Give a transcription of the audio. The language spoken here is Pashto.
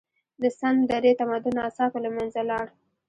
د سند درې تمدن ناڅاپه له منځه لاړ.